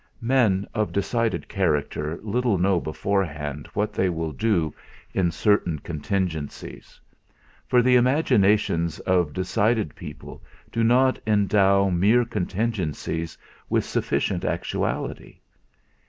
Men of decided character little know beforehand what they will do in certain contingencies. For the imaginations of decided people do not endow mere contingencies with sufficient actuality.